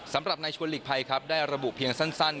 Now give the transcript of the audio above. สำหรับนายชวนหลีกภัยครับได้ระบุเพียงสั้น